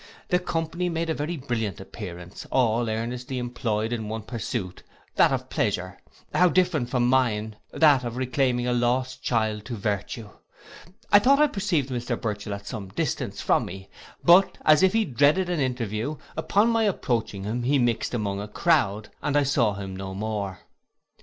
The company made a very brilliant appearance, all earnestly employed in one pursuit, that of pleasure; how different from mine, that of reclaiming a lost child to virtue! I thought I perceived Mr Burchell at some distance from me; but, as if he dreaded an interview, upon my approaching him, he mixed among a crowd, and I saw him no more.